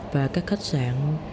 và các khách sạn